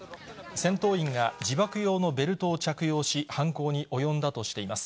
戦闘員が自爆用のベルトを着用し、犯行に及んだとしています。